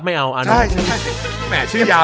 เห้ย